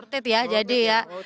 worth it ya jadi ya